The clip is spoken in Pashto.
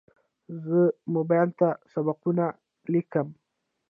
زه موبایل ته سبقونه لیکم.